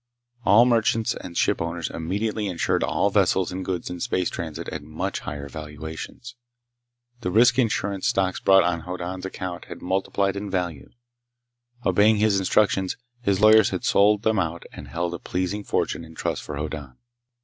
All merchants and ship owners immediately insured all vessels and goods in space transit at much higher valuations. The risk insurance stocks bought on Hoddan's account had multiplied in value. Obeying his instructions, his lawyers had sold them out and held a pleasing fortune in trust for Hoddan.